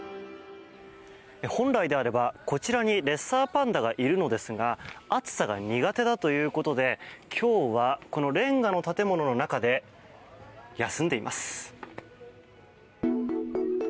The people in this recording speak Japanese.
本来であれば、こちらにレッサーパンダがいるのですが暑さが苦手だということで今日は、このレンガの建物の中で休んでいます。